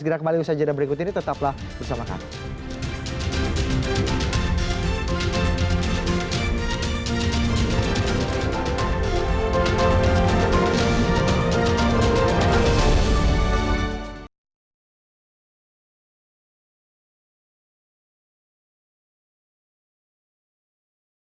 segera kembali bersajar dan berikut ini tetaplah bersama kami